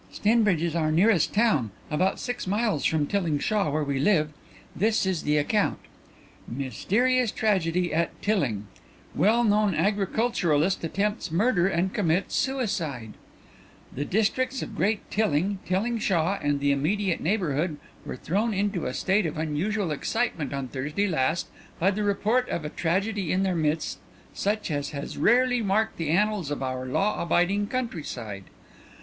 "Stinbridge is our nearest town about six miles from Tilling Shaw, where we live. This is the account: "'MYSTERIOUS TRAGEDY AT TILLING "'WELL KNOWN AGRICULTURALIST ATTEMPTS MURDER AND COMMITS SUICIDE "'The districts of Great Tilling, Tilling Shaw and the immediate neighbourhood were thrown into a state of unusual excitement on Thursday last by the report of a tragedy in their midst such as has rarely marked the annals of our law abiding country side.